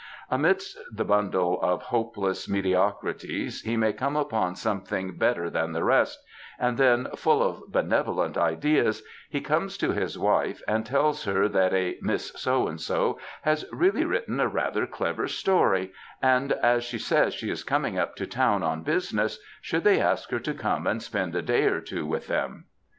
Amidst the bundle of hopeless mediocrities he may come upon something better than the rest, and then, full of benevolent ideas, he comes to his wife and tells her that a Miss So and So has really written a rather clever story, and as she says she is coming up to town on business, should they ask her to come and spend a day or two with them